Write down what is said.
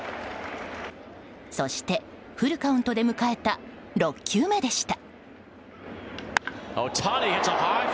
そして、フルカウントで迎えた６球目でした。